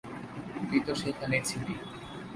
তুই তো সেখানে ছিলি।